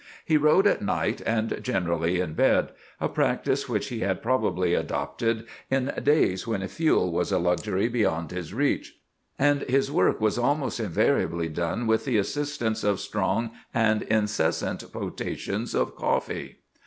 He wrote at night, and generally in bed—a practice which he had probably adopted in days when fuel was a luxury beyond his reach; and his work was almost invariably done with the assistance of strong and incessant potations of coffee.